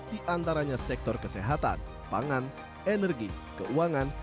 di antaranya sektor kesehatan pangan energi keuangan